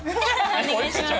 お願いします。